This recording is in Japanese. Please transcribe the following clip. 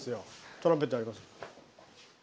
トランペットありますよ。